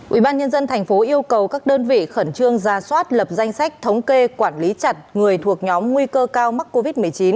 ubnd tp yêu cầu các đơn vị khẩn trương ra soát lập danh sách thống kê quản lý chặt người thuộc nhóm nguy cơ cao mắc covid một mươi chín